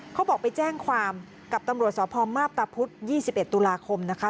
เขาบอกไปแจ้งความกับตำรวจสพมาพตะพุธ๒๑ตุลาคมนะคะ